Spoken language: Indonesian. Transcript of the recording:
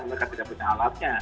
mereka tidak punya alatnya